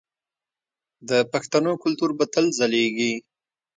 د پښتنو کلتور به تل ځلیږي.